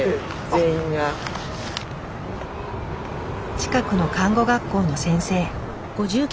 近くの看護学校の先生。